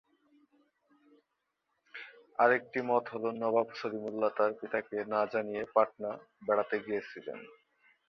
আরেকটি মত হলো নবাব সলিমুল্লাহ তার পিতাকে না জানিয়ে পাটনা বেড়াতে গিয়েছিলেন।